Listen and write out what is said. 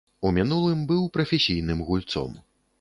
У мінулым быў прафесійным гульцом.